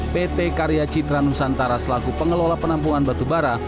pt karya citra nusantara selaku pengelola penampungan batubara